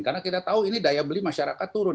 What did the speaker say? karena kita tahu ini daya beli masyarakat turun